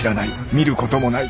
見ることもない」。